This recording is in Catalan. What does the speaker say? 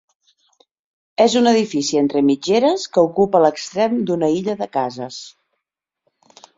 És un edifici entre mitgeres que ocupa l'extrem d'una illa de cases.